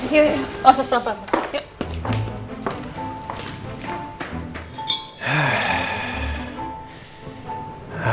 yuk yuk yuk